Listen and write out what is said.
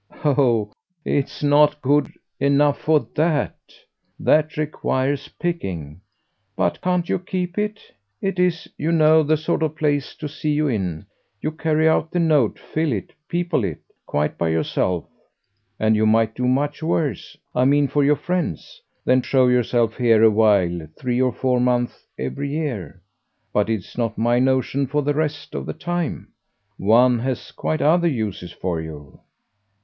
"Oh it's not good enough for THAT! That requires picking. But can't you keep it? It is, you know, the sort of place to see you in; you carry out the note, fill it, people it, quite by yourself, and you might do much worse I mean for your friends than show yourself here a while, three or four months, every year. But it's not my notion for the rest of the time. One has quite other uses for you."